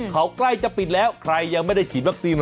เขาใกล้จะปิดแล้วใครยังไม่ได้ฉีดวัคซีน